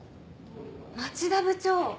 町田部長！